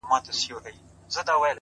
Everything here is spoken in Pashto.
• غم ته به مي شا سي، وايي بله ورځ ,